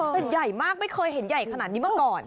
แต่ใหญ่มากไม่เคยเห็นใหญ่ขนาดนี้มาก่อน